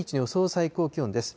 最高気温です。